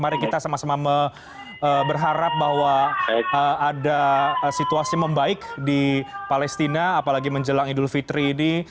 mari kita sama sama berharap bahwa ada situasi membaik di palestina apalagi menjelang idul fitri ini